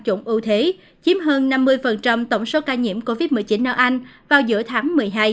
chủng ưu thế chiếm hơn năm mươi tổng số ca nhiễm covid một mươi chín ở anh vào giữa tháng một mươi hai